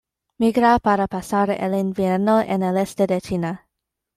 Migra para pasar el invierno en el este de China.